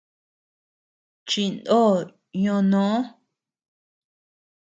Chinó yoo noo.